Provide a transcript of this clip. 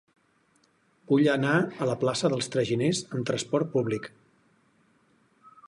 Vull anar a la plaça dels Traginers amb trasport públic.